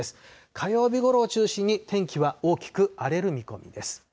火曜日ごろを中心に、天気は大きく荒れる見込みです。